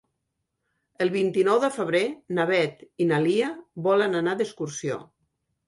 El vint-i-nou de febrer na Beth i na Lia volen anar d'excursió.